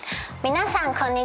皆さんこんにちは。